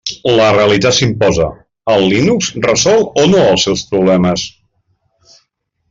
La realitat s'imposa: el Linux resol o no els seus problemes?